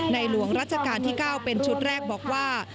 หลวงรัชกาลที่๙เป็นชุดแรกบอกว่า